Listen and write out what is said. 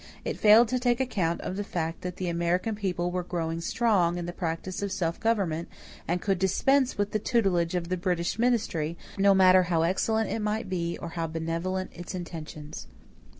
It failed to take account of the fact that the American people were growing strong in the practice of self government and could dispense with the tutelage of the British ministry, no matter how excellent it might be or how benevolent its intentions.